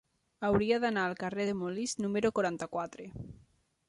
Hauria d'anar al carrer de Molist número quaranta-quatre.